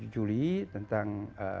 dua puluh tujuh juli tentang